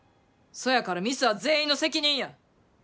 そやからミスは全員の責任や。